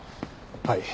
はい。